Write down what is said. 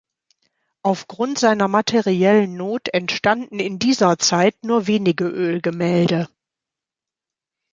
Aufgrund seiner materiellen Not entstanden in dieser Zeit nur wenige Ölgemälde.